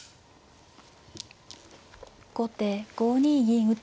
後手５二銀打。